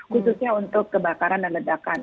khususnya untuk kebakaran dan ledakan